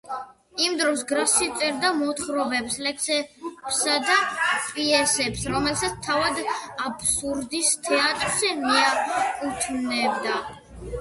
იმ დროს გრასი წერდა მოთხრობებს, ლექსებსა და პიესებს, რომელსაც თავად აბსურდის თეატრს მიაკუთვნებდა.